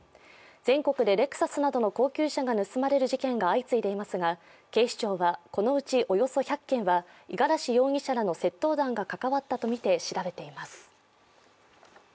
全国でレクサスなどの高級車が盗まれる事件が相次いでいますが、警視庁はこのうちおよそ１００件は五十嵐容疑者らの窃盗団が関わったとみて調べています。